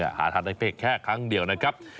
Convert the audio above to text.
เพราะว่าปีนึงอาทารณเพศแค่ครั้งเดียวนะครับ